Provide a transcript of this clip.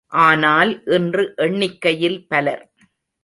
ஆனால், இன்று எண்ணிக்கையில் பலர்!